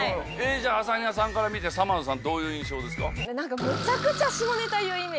じゃあ朝比奈さんから見てさまぁずさんどういう印象ですか？